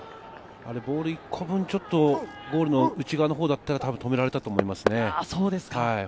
ボール１個分ちょっと、ゴールの内側のほうだったら止められたと思いますね。